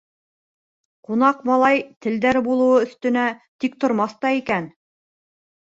Ҡунаҡ малай телдәр булыуы өҫ-төнә тиктормаҫ та икән.